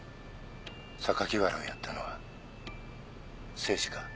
榊原をやったのは誠司か？